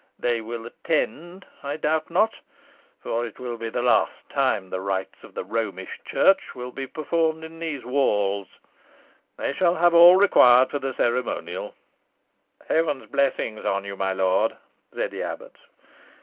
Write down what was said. They will attend, I doubt not, for it will be the last time the rites of the Romish Church will be performed in those Walls. They shall have all required for the ceremonial." "Heaven's blessings on you, my lord," said the abbot.